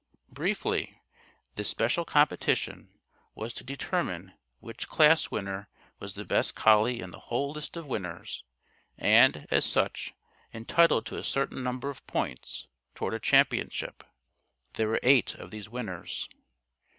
Briefly, this special competition was to determine which class winner was the best collie in the whole list of winners and, as such, entitled to a certain number of "points" toward a championship. There were eight of these winners.